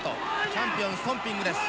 チャンピオンストンピングです。